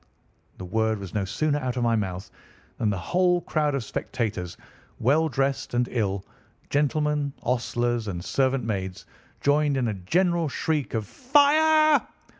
The word was no sooner out of my mouth than the whole crowd of spectators, well dressed and ill—gentlemen, ostlers, and servant maids—joined in a general shriek of "Fire!"